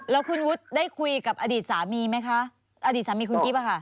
แล้วคุณวุฒิได้คุยกับอดีตสามีไหมคะอดีตสามีคุณกิ๊บอะค่ะ